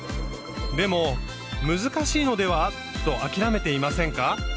でも難しいのでは？と諦めていませんか？